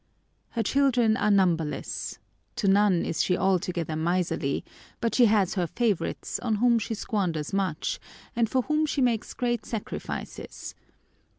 Her children are numberless. To none is she altogether miserly; but she has her favourites, on whom she squanders much, and for whom she makes great sacrifices.